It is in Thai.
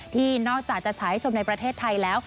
ที่นอกจากจะฉายให้ชมในประเทศไทยแล้ว